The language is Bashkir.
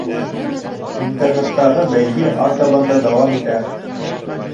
Интернеттағы бәйге артабан да дауам итә.